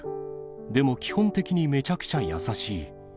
でも基本的にめちゃくちゃ優しい。